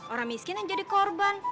orang miskin yang jadi korban